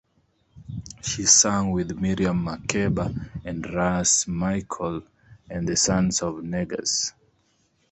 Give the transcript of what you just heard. She sang with Miriam Makeba and Ras Michael, and the Sons of Negus.